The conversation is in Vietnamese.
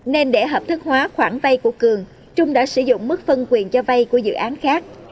nên để hợp thức hóa khoản vay của cường trung đã sử dụng mức phân quyền cho vay của dự án khác